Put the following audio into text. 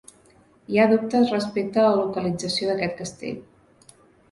Hi ha dubtes respecte a la localització d'aquest castell.